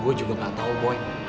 gue juga gatau boy